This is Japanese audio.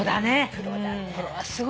プロはすごいね。